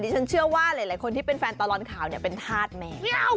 ฉันเชื่อว่าหลายคนที่เป็นแฟนตลอดข่าวเป็นธาตุแมว